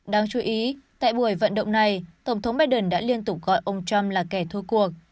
đáng chú ý tại buổi vận động này tổng thống biden đã liên tục gọi ông trump là kẻ thu cuộc